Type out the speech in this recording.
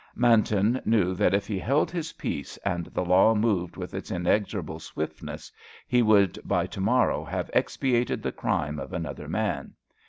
Manton knew that if he held his peace and the law moved with its inexorable swiftness, he would by to morrow have expiated the crime of another man.